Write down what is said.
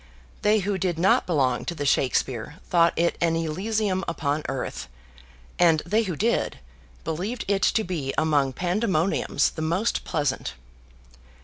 They who did not belong to the Shakspeare thought it an Elysium upon earth; and they who did, believed it to be among Pandemoniums the most pleasant.